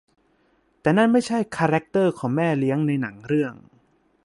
แต่นั่นไม่ใช่คาแรคเตอร์ของแม่เลี้ยงในหนังเรื่อง